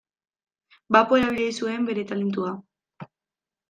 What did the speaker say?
Bapo erabili zuen bere talentua.